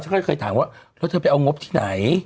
เคยถามว่าแล้วเธอไปเอางบที่ไหน